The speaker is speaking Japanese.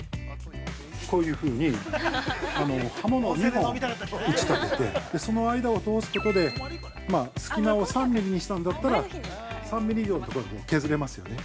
◆こういうふうに刃物を２本打ち立ててその間を通すことで隙間を３ミリにしたんだったら３ミリ以上のところを削れますよね。